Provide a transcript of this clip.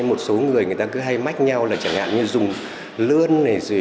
một số người người ta cứ hay mách nhau là chẳng hạn như dùng lươn